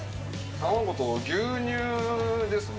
卵と牛乳ですね。